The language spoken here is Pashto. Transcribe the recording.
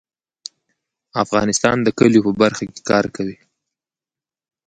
افغانستان د کلیو په برخه کې کار کوي.